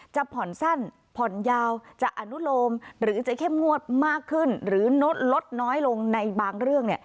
จะผ่อนสั้นผ่อนยาวจะอนุโลมหรือจะเข้มงวดมากขึ้นหรือลดลดน้อยลงในบางเรื่อง